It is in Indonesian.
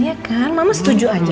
ya kan mama setuju aja